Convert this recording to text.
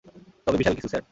তবে বিশাল কিছু, স্যার।